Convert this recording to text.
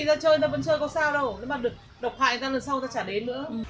không đều là hàng trương hét